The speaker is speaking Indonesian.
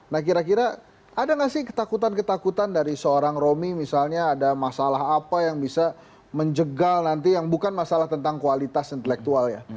nah kira kira ada nggak sih ketakutan ketakutan dari seorang romi misalnya ada masalah apa yang bisa menjegal nanti yang bukan masalah tentang kualitas intelektual ya